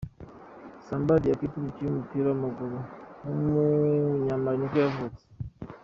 Samba Diakité, umukinnyi w’umupira w’amaguru w’umunyamali nibwo yavutse.